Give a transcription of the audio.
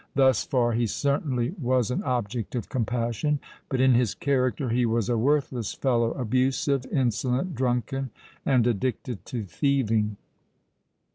Thus far he certainly was an object of compassion: but in his character he was a worthless fellow—abusive, insolent, drunken, and addicted to thieving.